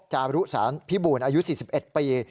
จารุสารพิบูรณ์อายุ๔๑ปี